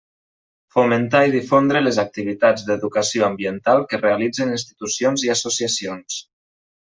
Fomentar i difondre les activitats d'educació ambiental que realitzen institucions i associacions.